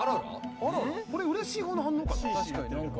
これうれしい方の反応かな？